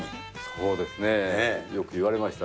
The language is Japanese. そうですね、よく言われました。